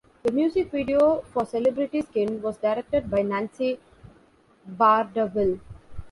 The music video for "Celebrity Skin" was directed by Nancy Bardawil.